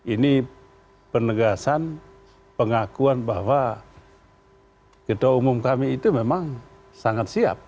ini penegasan pengakuan bahwa ketua umum kami itu memang sangat siap